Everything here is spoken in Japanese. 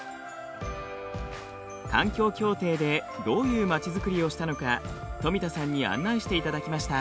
環境協定でどういう町づくりをしたのか富田さんに案内していただきました。